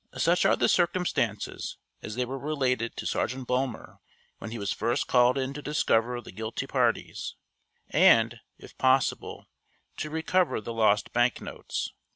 Such are the circumstances, as they were related to Sergeant Bulmer, when he was first called in to discover the guilty parties, and, if possible, to recover the lost bank notes.